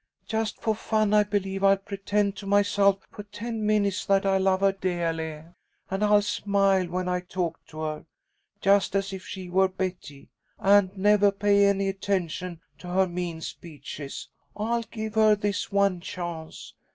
Just for fun I believe I'll pretend to myself for ten minutes that I love her deahly, and I'll smile when I talk to her, just as if she were Betty, and nevah pay any attention to her mean speeches. I'll give her this one chance.